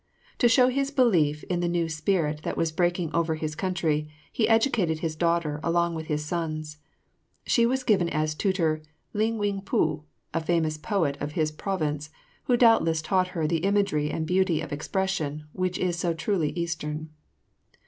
To show his belief in the new spirit that was breaking over his country, he educated his daughter along with his sons. She was given as tutor Ling Wing pu, a famous poet of his province, who doubtless taught her the imagery and beauty of expression which is so truly Eastern.